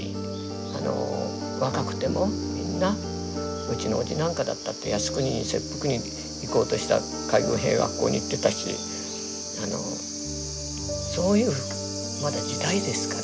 あの若くてもみんなうちのおじなんかだったって靖国に切腹に行こうとした海軍兵学校に行ってたしあのそういうまだ時代ですから。